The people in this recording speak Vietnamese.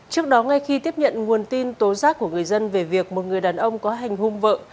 trước đó ngay khi tiếp nhận nguồn tin tố giác của người dân về việc một người đàn ông có hành hung vợ